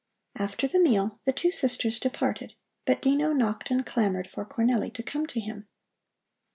After the meal the two sisters departed, but Dino knocked and clamored for Cornelli to come to him.